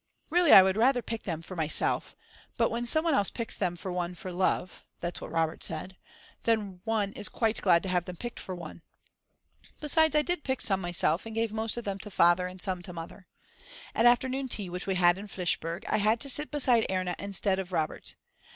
Really I would rather pick them for myself, but when some one else picks them for one for love (that's what Robert said) then one is quite glad to have them picked for one. Besides, I did pick some myself and gave most of them to Father and some to Mother. At afternoon tea which we had in Flischberg I had to sit beside Erna instead of Robert.